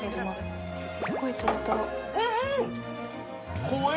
すごいトロトロ。